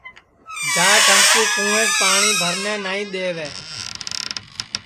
جاٹ ہم کُو تو کُووینٚس پاٹؔی بھرن نائی دے وے